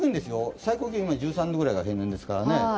最高気温１３度くらいが平年ですからね。